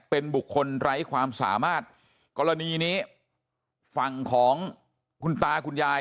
เป็นบุคคลไร้ความสามารถกรณีนี้ฝั่งของคุณตาคุณยาย